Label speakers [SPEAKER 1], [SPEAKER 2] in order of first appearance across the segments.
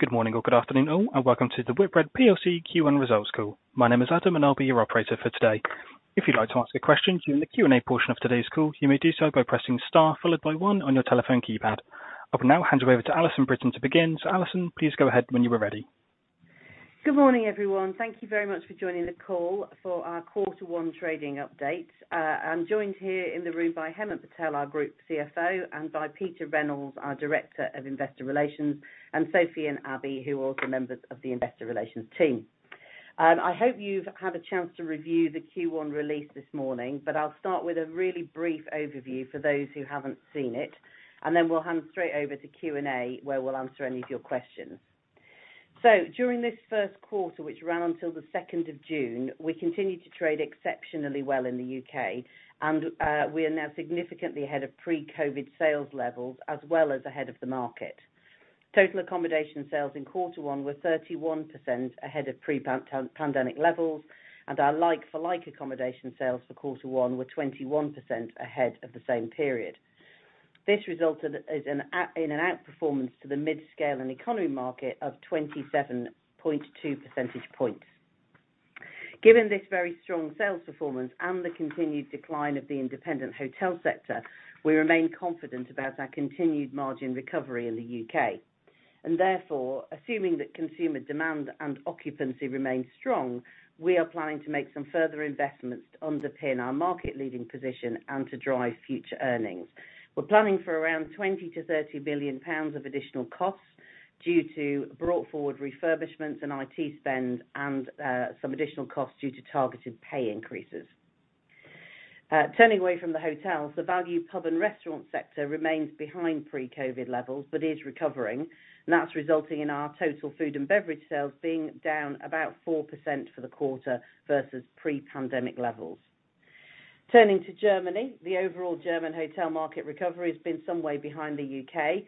[SPEAKER 1] Good morning or good afternoon all, and welcome to the Whitbread PLC Q1 results call. My name is Adam, and I'll be your operator for today. If you'd like to ask a question during the Q&A portion of today's call, you may do so by pressing star followed by one on your telephone keypad. I'll now hand you over to Alison Brittain to begin. Alison, please go ahead when you are ready.
[SPEAKER 2] Good morning, everyone. Thank you very much for joining the call for our quarter one trading update. I'm joined here in the room by Hemant Patel, our Group CFO, and by Peter Reynolds, our Director of Investor Relations, and Sophie and Abby, who are also members of the investor relations team. I hope you've had a chance to review the Q1 release this morning, but I'll start with a really brief overview for those who haven't seen it, and then we'll hand straight over to Q&A, where we'll answer any of your questions. During this first quarter, which ran until the second of June, we continued to trade exceptionally well in the UK and we are now significantly ahead of pre-COVID sales levels, as well as ahead of the market. Total accommodation sales in quarter one were 31% ahead of pre-pandemic levels, and our like-for-like accommodation sales for quarter one were 21% ahead of the same period. This resulted in an outperformance to the mid-scale and economy market of 27.2 percentage points. Given this very strong sales performance and the continued decline of the independent hotel sector, we remain confident about our continued margin recovery in the UK. Therefore, assuming that consumer demand and occupancy remain strong, we are planning to make some further investments to underpin our market-leading position and to drive future earnings. We're planning for around 20 million- 30 million pounds of additional costs due to brought forward refurbishments and IT spend and some additional costs due to targeted pay increases. Turning away from the hotels, the value pub and restaurant sector remains behind pre-COVID levels but is recovering. That's resulting in our total food and beverage sales being down about 4% for the quarter versus pre-pandemic levels. Turning to Germany, the overall German hotel market recovery has been some way behind the UK,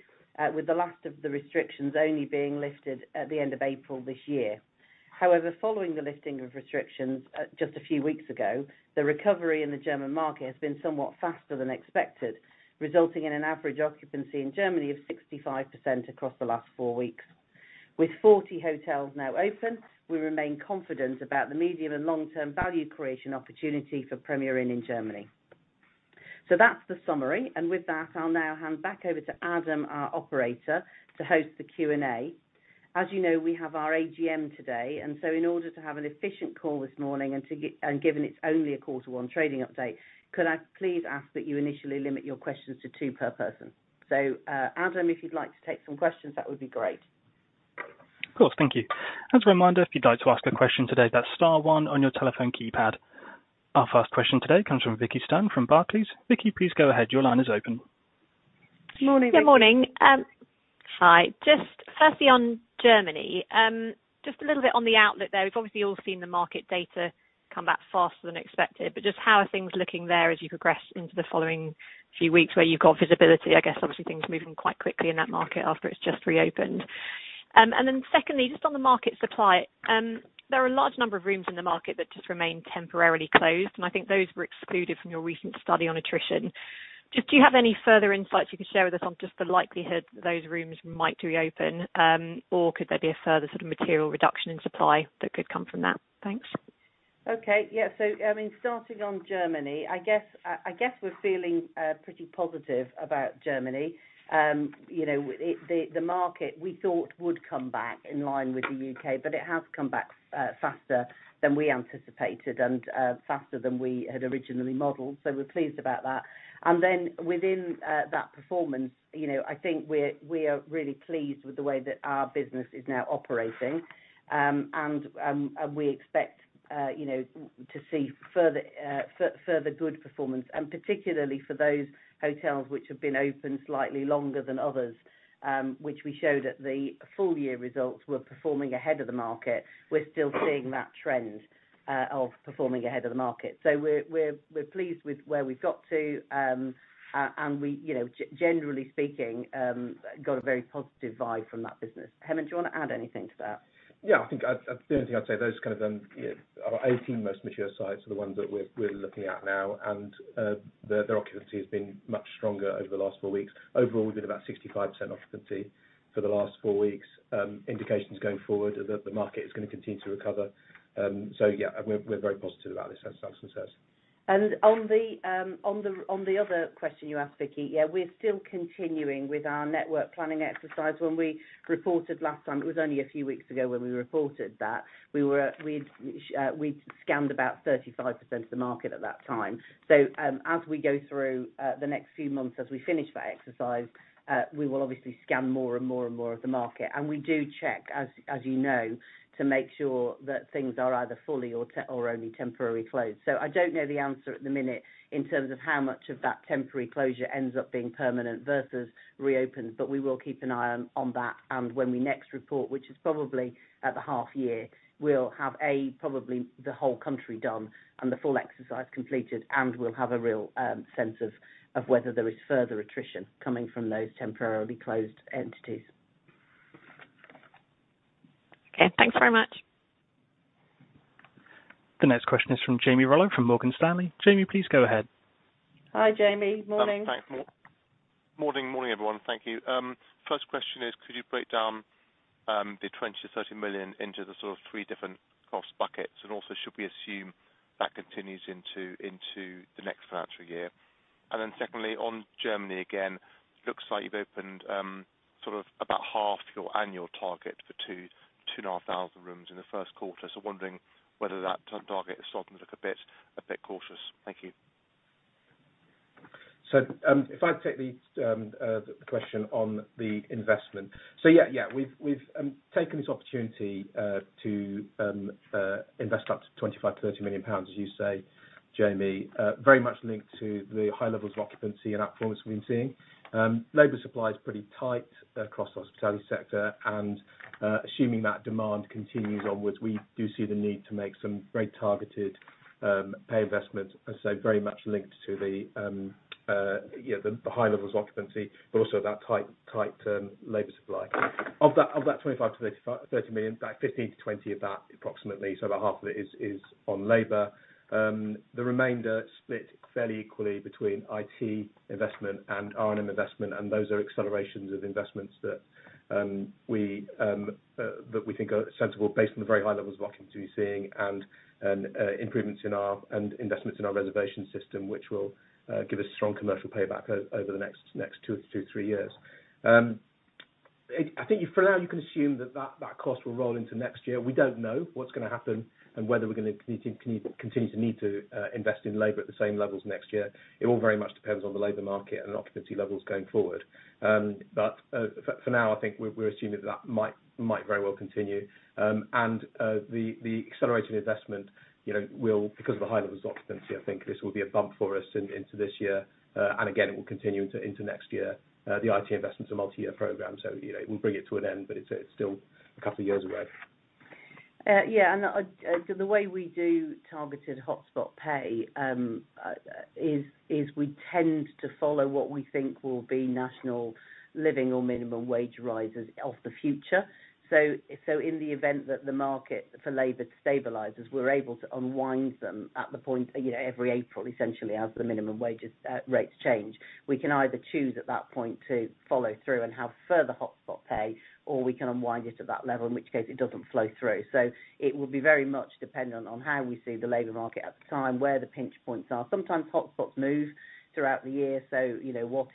[SPEAKER 2] with the last of the restrictions only being lifted at the end of April this year. However, following the lifting of restrictions, just a few weeks ago, the recovery in the German market has been somewhat faster than expected, resulting in an average occupancy in Germany of 65% across the last four weeks. With 40 hotels now open, we remain confident about the medium and long-term value creation opportunity for Premier Inn in Germany. That's the summary. I'll now hand back over to Adam, our operator, to host the Q&A. As you know, we have our AGM today, and so in order to have an efficient call this morning and given it's only a quarter one trading update, could I please ask that you initially limit your questions to two per person? Adam, if you'd like to take some questions, that would be great.
[SPEAKER 1] Of course. Thank you. As a reminder, if you'd like to ask a question today, that's star one on your telephone keypad. Our first question today comes from Vicki Stern from Barclays. Vicki, please go ahead. Your line is open.
[SPEAKER 2] Morning, Vicki.
[SPEAKER 3] Good morning. Hi. Just firstly on Germany, just a little bit on the outlet there. We've obviously all seen the market data come back faster than expected, but just how are things looking there as you progress into the following few weeks where you've got visibility? I guess obviously things are moving quite quickly in that market after it's just reopened. Secondly, just on the market supply, there are a large number of rooms in the market that just remain temporarily closed, and I think those were excluded from your recent study on attrition. Just, do you have any further insights you can share with us on just the likelihood those rooms might reopen? Could there be a further sort of material reduction in supply that could come from that? Thanks.
[SPEAKER 2] Okay. Yeah. I mean, starting on Germany, I guess we're feeling pretty positive about Germany. You know, the market we thought would come back in line with the UK, but it has come back faster than we anticipated and faster than we had originally modeled. We're pleased about that. Within that performance, you know, I think we are really pleased with the way that our business is now operating. And we expect, you know, to see further good performance, and particularly for those hotels which have been open slightly longer than others, which we showed at the full year results were performing ahead of the market. We're still seeing that trend of performing ahead of the market. We're pleased with where we've got to, and we, you know, generally speaking, got a very positive vibe from that business. Hemant, do you wanna add anything to that?
[SPEAKER 4] Yeah, I think the only thing I'd say, those kind of our 18 most mature sites are the ones that we're looking at now, and their occupancy has been much stronger over the last four weeks. Overall, we've been about 65% occupancy for the last four weeks. Indications going forward are that the market is gonna continue to recover. Yeah, we're very positive about this, as Alison says.
[SPEAKER 2] On the other question you asked, Vicki, yeah, we're still continuing with our network planning exercise. When we reported last time, it was only a few weeks ago when we reported that, we'd scanned about 35% of the market at that time. As we go through the next few months, as we finish that exercise, we will obviously scan more and more of the market. We do check, as you know, to make sure that things are either fully or only temporarily closed. I don't know the answer at the minute in terms of how much of that temporary closure ends up being permanent versus reopened, but we will keep an eye on that. When we next report, which is probably at the half year, we'll have probably the whole country done and the full exercise completed, and we'll have a real sense of whether there is further attrition coming from those temporarily closed entities.
[SPEAKER 3] Okay. Thanks very much.
[SPEAKER 1] The next question is from Jamie Rollo from Morgan Stanley. Jamie, please go ahead.
[SPEAKER 2] Hi, Jamie. Morning.
[SPEAKER 5] Thanks, morning, everyone. Thank you. First question is, could you break down the 20 million-30 million into the sort of three different cost buckets? Also should we assume that continues into the next financial year? Secondly, on Germany again, looks like you've opened sort of about half your annual target for 2,000-2,500 rooms in the first quarter. Wondering whether that target is starting to look a bit cautious. Thank you.
[SPEAKER 4] If I take the question on the investment. Yeah, we've taken this opportunity to invest up to 25 million-30 million pounds, as you say, Jamie, very much linked to the high levels of occupancy and outperformance we've been seeing. Labor supply is pretty tight across the hospitality sector and, assuming that demand continues onwards, we do see the need to make some very targeted pay investments, also very much linked to the high levels of occupancy, but also that tight labor supply. Of that 25 million-30 million, like 15 million-20 million of that, approximately, so about half of it is on labor. The remainder split fairly equally between IT investment and R&M investment, and those are accelerations of investments that we think are sensible based on the very high levels of occupancy we're seeing and investments in our reservation system, which will give us strong commercial payback over the next two to three years. I think for now you can assume that cost will roll into next year. We don't know what's gonna happen and whether we're gonna continue to need to invest in labor at the same levels next year. It all very much depends on the labor market and occupancy levels going forward. For now, I think we're assuming that might very well continue. The accelerated investment, you know, will, because of the high levels of occupancy, I think, this will be a bump for us into this year, and again it will continue into next year. The IT investment's a multi-year program, so you know, we'll bring it to an end, but it's still a couple of years away.
[SPEAKER 2] The way we do targeted hotspot pay is we tend to follow what we think will be national living or minimum wage rises of the future. In the event that the market for labor stabilizes, we're able to unwind them at the point, you know, every April, essentially, as the minimum wage rates change. We can either choose at that point to follow through and have further hotspot pay, or we can unwind it at that level, in which case it doesn't flow through. It will be very much dependent on how we see the labor market at the time, where the pinch points are. Sometimes hotspots move throughout the year, so, you know,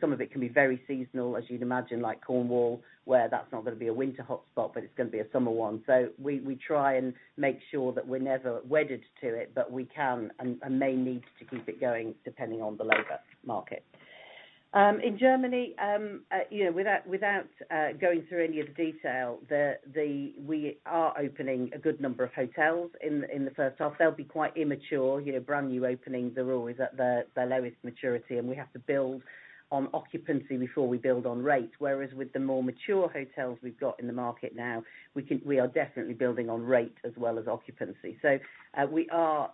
[SPEAKER 2] some of it can be very seasonal, as you'd imagine, like Cornwall, where that's not gonna be a winter hotspot, but it's gonna be a summer one. We try and make sure that we're never wedded to it, but we can and may need to keep it going depending on the labor market. In Germany, you know, without going through any of the detail, we are opening a good number of hotels in the first half. They'll be quite immature. You know, brand-new openings are always at their lowest maturity, and we have to build on occupancy before we build on rate. Whereas with the more mature hotels we've got in the market now, we are definitely building on rate as well as occupancy. We are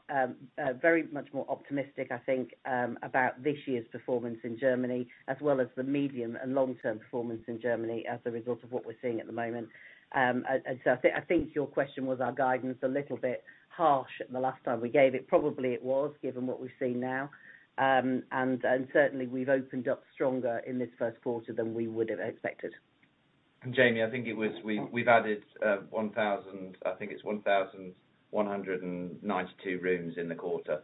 [SPEAKER 2] very much more optimistic, I think, about this year's performance in Germany as well as the medium and long-term performance in Germany as a result of what we're seeing at the moment. I think your question was our guidance a little bit harsh the last time we gave it. Probably it was, given what we're seeing now. Certainly we've opened up stronger in this first quarter than we would've expected.
[SPEAKER 4] Jamie, I think we've added 1,000, I think it's 1,192 rooms in the quarter.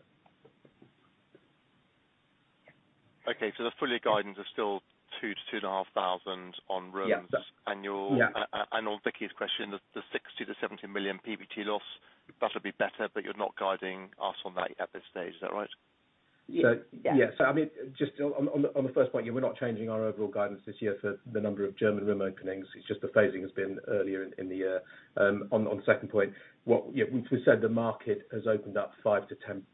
[SPEAKER 5] Okay. The full-year guidance is still 2-2.5 thousand on rooms.
[SPEAKER 4] Yeah.
[SPEAKER 5] -annual.
[SPEAKER 4] Yeah.
[SPEAKER 5] On Vicki's question, the 60-70 million PBT loss, that'll be better, but you're not guiding us on that at this stage. Is that right?
[SPEAKER 2] Yeah.
[SPEAKER 4] I mean, just on the first point, yeah, we're not changing our overall guidance this year for the number of German room openings. It's just the phasing has been earlier in the year. On the second point, yeah, we've said the market has opened up 5-10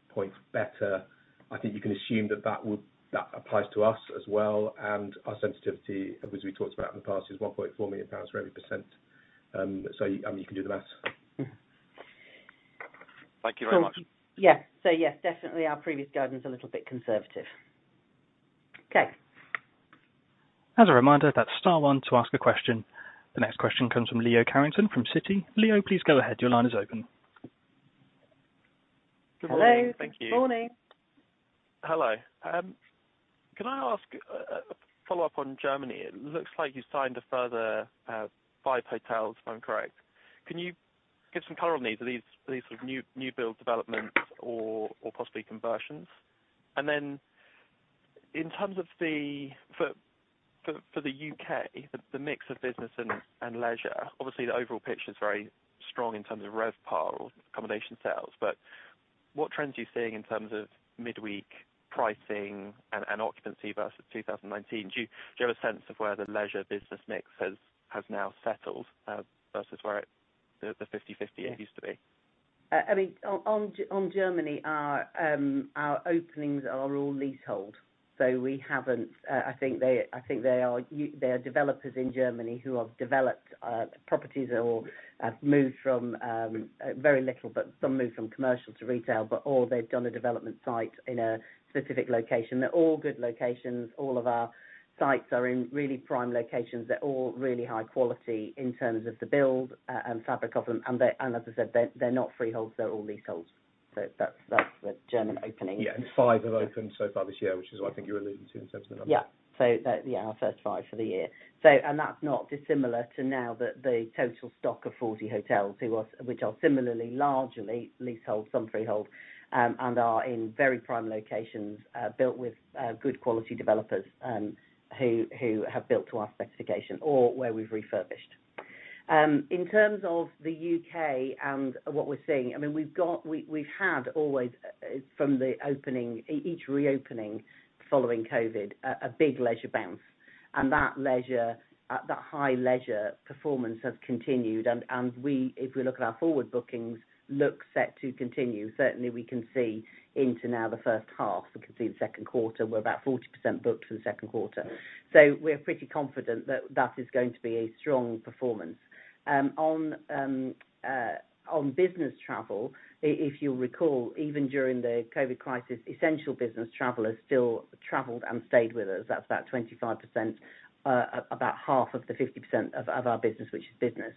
[SPEAKER 4] points better. I think you can assume that applies to us as well, and our sensitivity, as we talked about in the past, is 1.4 million pounds for every %. I mean, you can do the math.
[SPEAKER 5] Thank you very much.
[SPEAKER 2] Yes, definitely our previous guidance was a little bit conservative. Okay.
[SPEAKER 1] As a reminder, that's star one to ask a question. The next question comes from Leo Carrington from Citi. Leo, please go ahead. Your line is open.
[SPEAKER 2] Hello. Morning Thank you. Hello. Can I ask a follow-up on Germany? It looks like you signed a further five hotels, if I'm correct. Can you give some color on these? Are these sort of new-build developments or possibly conversions? Then in terms of the UK, the mix of business and leisure, obviously the overall picture is very strong in terms of RevPAR or accommodation sales, but what trends are you seeing in terms of midweek pricing and occupancy versus 2019? Do you have a sense of where the leisure business mix has now settled versus the 50/50 it used to be? I mean, on Germany, our openings are all leasehold. We haven't, I think they are developers in Germany who have developed properties or have moved from very little, but some moved from commercial to retail, but or they've done a development site in a specific location. They're all good locations. All of our sites are in really prime locations. They're all really high quality in terms of the build and fabric of them. And as I said, they're not freeholds, they're all leaseholds. That's the German opening.
[SPEAKER 4] Yeah. Five have opened so far this year, which is what I think you were alluding to in terms of the numbers.
[SPEAKER 2] Yeah. That, yeah, our first five for the year and that's not dissimilar to now that the total stock of 40 hotels which are similarly largely leasehold, some freehold, and are in very prime locations, built with good quality developers, who have built to our specification or where we've refurbished. In terms of the U.K. and what we're seeing, I mean, we've always had from the opening, each reopening following COVID, a big leisure bounce. That leisure, that high leisure performance has continued. If we look at our forward bookings, looks set to continue. Certainly we can see into now the first half. We can see the second quarter, we're about 40% booked for the second quarter. We're pretty confident that that is going to be a strong performance. On business travel, if you'll recall, even during the COVID crisis, essential business travelers still traveled and stayed with us. That's about 25%, about half of the 50% of our business, which is business.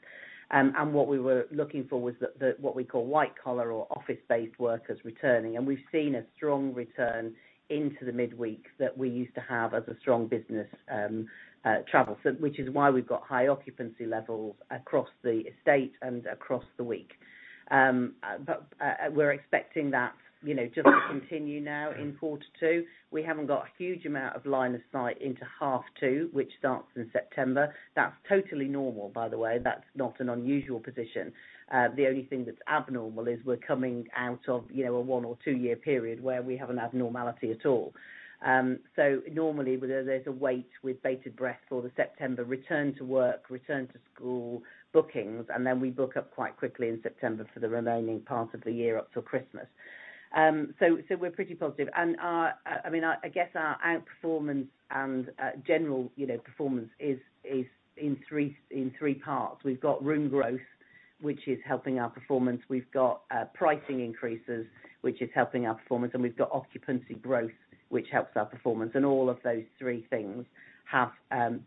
[SPEAKER 2] What we were looking for was the what we call white collar or office-based workers returning, and we've seen a strong return into the midweek that we used to have as a strong business travel. Which is why we've got high occupancy levels across the estate and across the week. We're expecting that, you know, just to continue now in quarter two. We haven't got a huge amount of line of sight into half two, which starts in September. That's totally normal, by the way. That's not an unusual position. The only thing that's abnormal is we're coming out of, you know, a year or two year period where we have an abnormality at all. Normally, where there's a wait with bated breath for the September return to work, return to school bookings, and then we book up quite quickly in September for the remaining part of the year up till Christmas. We're pretty positive. Our, I mean, I guess our outperformance and general, you know, performance is in three parts. We've got room growth, which is helping our performance. We've got pricing increases, which is helping our performance. We've got occupancy growth, which helps our performance. All of those three things have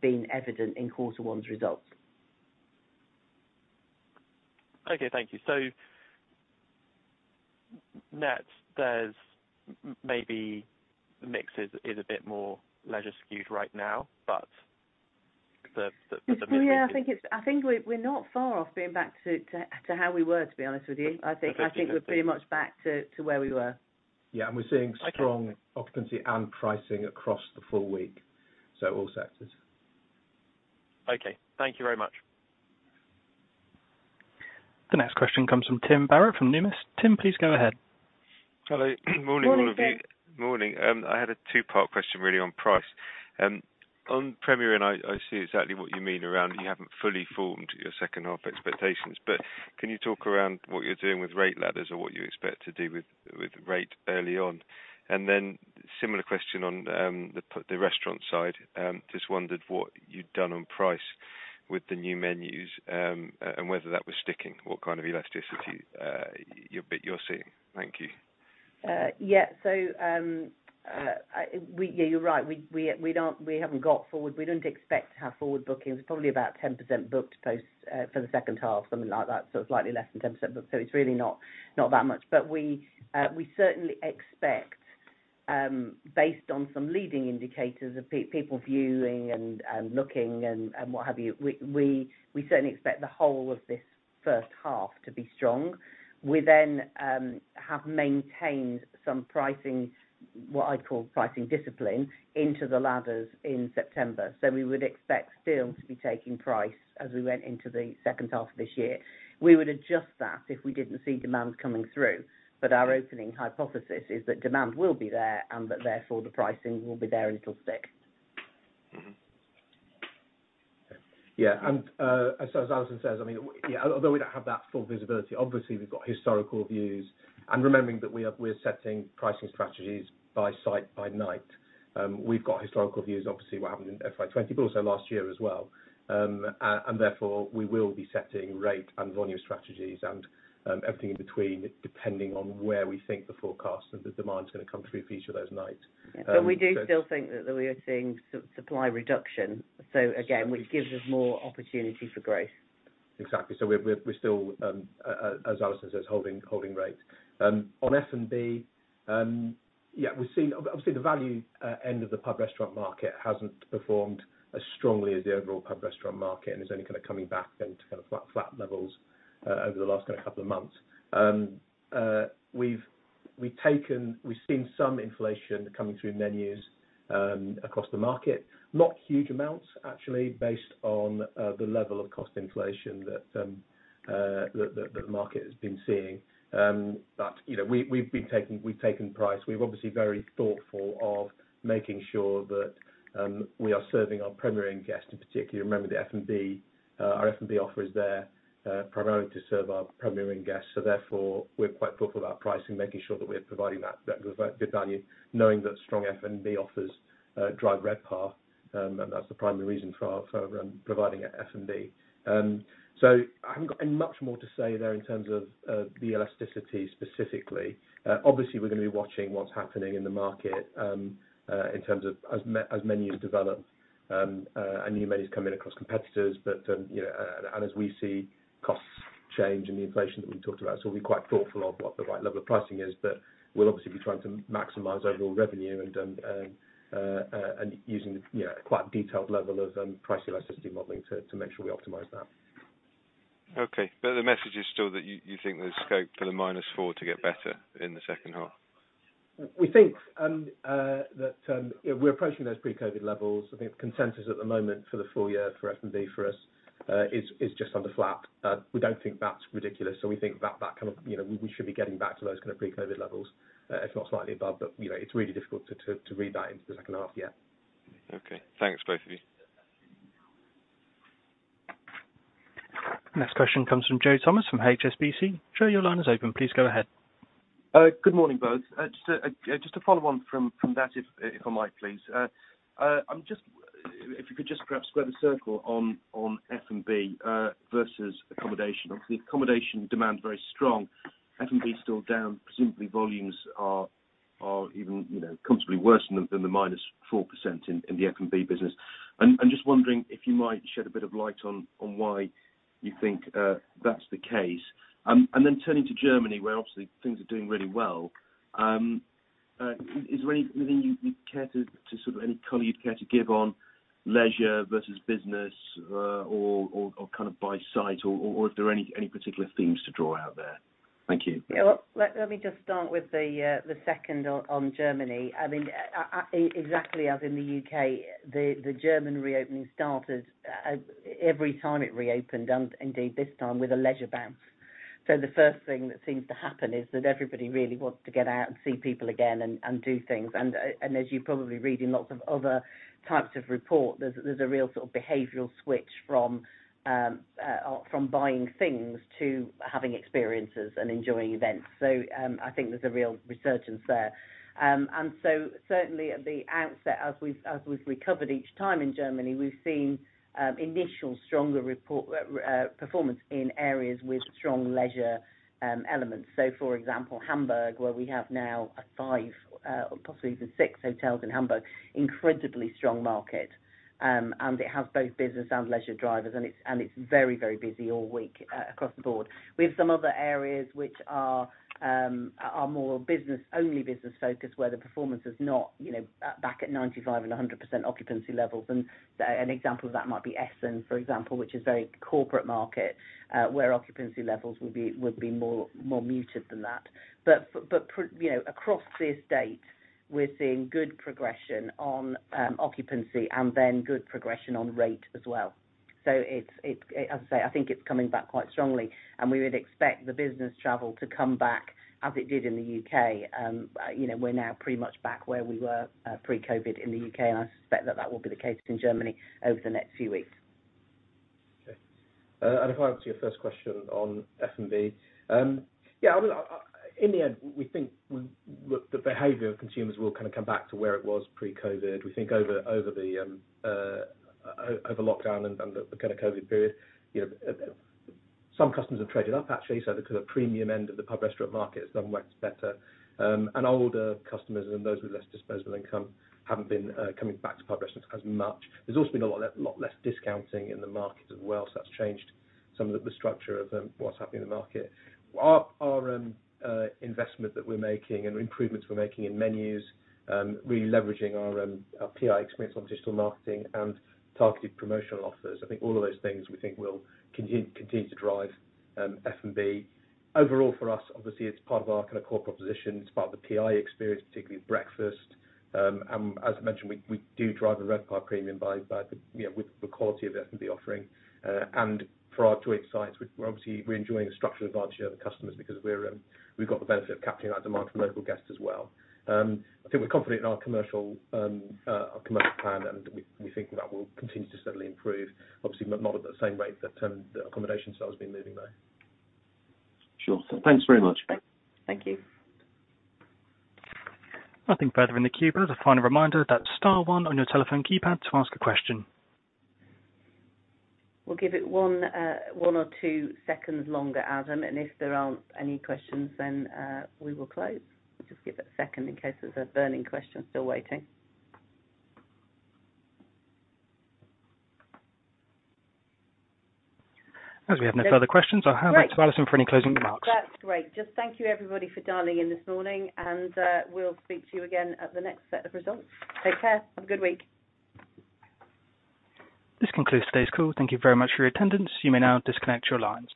[SPEAKER 2] been evident in quarter one's results. Okay, thank you. Net, there's maybe the mix is a bit more leisure skewed right now, but. I think we're not far off being back to how we were, to be honest with you. I think Okay. I think we're pretty much back to where we were.
[SPEAKER 4] Yeah, we're seeing. Okay. Strong occupancy and pricing across the full week, so all sectors. Okay. Thank you very much.
[SPEAKER 1] The next question comes from Tim Barrett from Numis. Tim, please go ahead.
[SPEAKER 6] Hello. Morning, all of you.
[SPEAKER 2] Morning, Tim.
[SPEAKER 6] Morning. I had a two-part question really on price. On Premier Inn, I see exactly what you mean around you haven't fully formed your second half expectations. Can you talk around what you're doing with rate ladders or what you expect to do with rate early on? Then similar question on the restaurant side. Just wondered what you'd done on price with the new menus and whether that was sticking, what kind of elasticity you're seeing. Thank you.
[SPEAKER 2] Yeah, you're right. We haven't got forward bookings. We don't expect to have forward bookings. Probably about 10% booked for the second half, something like that. Slightly less than 10% booked. It's really not that much. We certainly expect, based on some leading indicators of people viewing and looking and what have you, we certainly expect the whole of this first half to be strong. We then have maintained some pricing, what I'd call pricing discipline, into the latter in September. We would expect still to be taking price as we went into the second half of this year. We would adjust that if we didn't see demand coming through. Our opening hypothesis is that demand will be there and that therefore the pricing will be there and it'll stick.
[SPEAKER 6] Mm-hmm.
[SPEAKER 4] As Alison says, I mean, yeah, although we don't have that full visibility, obviously we've got historical views. Remembering that we're setting pricing strategies by site, by night. We've got historical views, obviously, what happened in FY20, but also last year as well. And therefore we will be setting rate and volume strategies and everything in between depending on where we think the forecast and the demand is gonna come through for each of those nights.
[SPEAKER 2] We do still think that we are seeing supply reduction. Which gives us more opportunity for growth.
[SPEAKER 4] Exactly. We're still, as Alison says, holding rates. On F&B, yeah, we've seen, obviously the value end of the pub restaurant market hasn't performed as strongly as the overall pub restaurant market and is only kind of coming back down to kind of flat levels over the last kind of couple of months. We've seen some inflation coming through menus across the market. Not huge amounts, actually, based on the level of cost inflation that the market has been seeing. You know, we've taken price. We're obviously very thoughtful of making sure that we are serving our Premier Inn guests in particular. Remember the F&B, our F&B offer is there primarily to serve our Premier Inn guests, so therefore we're quite thoughtful about pricing, making sure that we're providing that good value, knowing that strong F&B offers drive RevPAR, and that's the primary reason for providing F&B. I haven't got much more to say there in terms of the elasticity specifically. Obviously we're gonna be watching what's happening in the market in terms of as menus develop and new menus come in across competitors. You know, and as we see costs change and the inflation that we talked about. We'll be quite thoughtful of what the right level of pricing is, but we'll obviously be trying to maximize overall revenue and using, you know, a quite detailed level of price elasticity modeling to make sure we optimize that.
[SPEAKER 6] Okay. The message is still that you think there's scope for the -4% to get better in the second half?
[SPEAKER 4] We think that we're approaching those pre-COVID levels. I think the consensus at the moment for the full year for F&B for us is just under flat. We don't think that's ridiculous, so we think that that kind of you know we should be getting back to those kind of pre-COVID levels, if not slightly above. You know, it's really difficult to read that into the second half yet.
[SPEAKER 6] Okay. Thanks, both of you.
[SPEAKER 1] Next question comes from Joe Thomas from HSBC. Joe, your line is open. Please go ahead.
[SPEAKER 7] Good morning, both. Just to follow on from that, if I might, please. If you could just perhaps square the circle on F&B versus accommodation. Obviously, accommodation demand's very strong. F&B's still down. Presumably volumes are even, you know, comfortably worse than the minus 4% in the F&B business. I'm just wondering if you might shed a bit of light on why you think that's the case. Turning to Germany, where obviously things are doing really well, is there anything you'd care to give any color on leisure versus business, or kind of by site or if there are any particular themes to draw out there? Thank you.
[SPEAKER 2] Yeah. Well, let me just start with the second on Germany. I mean, exactly as in the UK, the German reopening started every time it reopened, and indeed this time, with a leisure bounce. The first thing that seems to happen is that everybody really wants to get out and see people again and do things. As you probably read in lots of other types of report, there's a real sort of behavioral switch from buying things to having experiences and enjoying events. I think there's a real resurgence there. Certainly at the outset, as we've recovered each time in Germany, we've seen initial stronger reported performance in areas with strong leisure elements. For example, Hamburg, where we have now five, possibly even six hotels in Hamburg, incredibly strong market. It has both business and leisure drivers, and it's very, very busy all week across the board. We have some other areas which are more business, only business-focused, where the performance is not, you know, back at 95% and 100% occupancy levels. An example of that might be Essen, for example, which is a very corporate market, where occupancy levels would be more muted than that. You know, across the estate, we're seeing good progression on occupancy and then good progression on rate as well. It. As I say, I think it's coming back quite strongly and we would expect the business travel to come back as it did in the UK. You know, we're now pretty much back where we were pre-COVID in the UK, and I suspect that will be the case in Germany over the next few weeks.
[SPEAKER 4] Okay. If I answer your first question on F&B. Yeah, I mean, in the end, we think the behavior of consumers will kind of come back to where it was pre-COVID. We think over lockdown and the kind of COVID period, you know, some customers have traded up actually. The kind of premium end of the pub restaurant market has done much better. Older customers and those with less disposable income haven't been coming back to pub restaurants as much. There's also been a lot less discounting in the market as well, so that's changed some of the structure of what's happening in the market. Our investment that we're making and improvements we're making in menus, really leveraging our PI experience on digital marketing and targeted promotional offers, I think all of those things we think will continue to drive F&B. Overall for us, obviously, it's part of our kind of core proposition. It's part of the PI experience, particularly breakfast. As I mentioned, we do drive a RevPAR premium by the, you know, with the quality of F&B offering. For our joint sites, we're obviously enjoying the structural advantage of the customers because we've got the benefit of capturing that demand from local guests as well. I think we're confident in our commercial plan and we think that will continue to steadily improve. Obviously not at the same rate that, the accommodation side has been moving though.
[SPEAKER 7] Sure. Thanks very much.
[SPEAKER 2] Thank you.
[SPEAKER 1] Nothing further in the queue. As a final reminder, that's star one on your telephone keypad to ask a question.
[SPEAKER 2] We'll give it one or two seconds longer, Adam, and if there aren't any questions then, we will close. Just give it a second in case there's a burning question still waiting.
[SPEAKER 1] We have no further questions.
[SPEAKER 2] Great.
[SPEAKER 1] I'll hand back to Alison for any closing remarks.
[SPEAKER 2] That's great. Just thank you, everybody, for dialing in this morning, and we'll speak to you again at the next set of results. Take care. Have a good week.
[SPEAKER 1] This concludes today's call. Thank you very much for your attendance. You may now disconnect your lines.